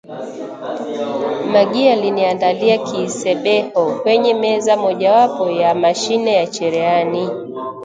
Maggie aliniandalia kisebeho kwenye meza mojawapo ya mashine ya cherehani